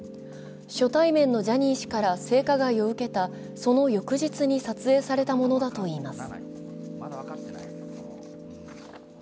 初対面のジャニー氏から性加害を受けたその翌日に撮影されたものだといいます。